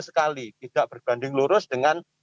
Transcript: sekali tidak berbanding lurus dengan